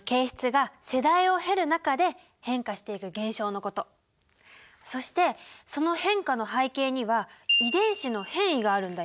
進化とはそしてその変化の背景には遺伝子の変異があるんだよ。